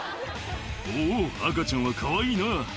「おぉ赤ちゃんはかわいいな」